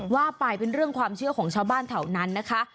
ว่าไปเป็นเรื่องความเชื่อของชาวบ้านแถวนั้นนะคะ